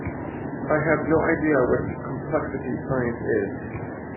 I have no idea what complexity science is.